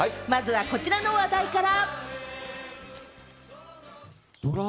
まずはこちらの話題から。